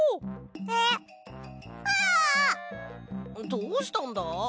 どうしたんだ？